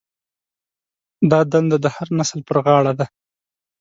دا دنده د هر نسل پر غاړه ده.